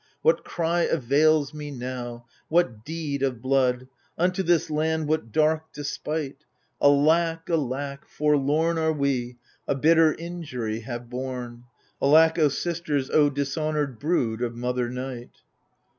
What cry avails me now, what deed of blood, Unto this land what dark despite ? Alack, alack, forlorn Are we, a bitter injury have borne 1 Alack, O sisters, O dishonoured brood Of mother Night!